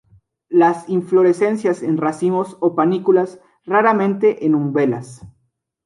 Las inflorescencias en racimos o panículas, raramente en umbelas.